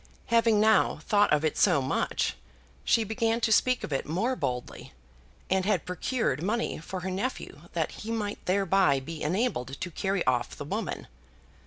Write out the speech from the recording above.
Having now thought of it so much, she began to speak of it more boldly, and had procured money for her nephew that he might thereby be enabled to carry off the woman.